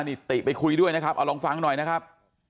นี่ติไปคุยด้วยนะครับเอาลองฟังหน่อยนะครับ